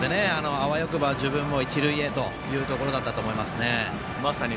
あわよくば自分も一塁へというところだったと思います。